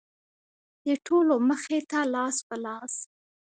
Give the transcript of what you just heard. د ټولو مخې ته لاس په لاس.